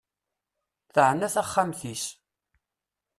Teɛna taxxmat-is.